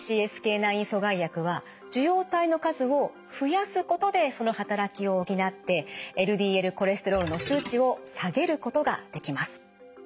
９阻害薬は受容体の数を増やすことでその働きを補ってＬＤＬコレステロールの数値を下げることができます。